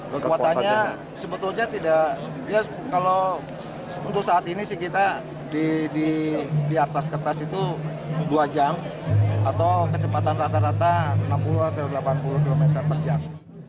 kekuatannya sebetulnya tidak kalau untuk saat ini sih kita di atas kertas itu dua jam atau kecepatan rata rata enam puluh atau delapan puluh km per jam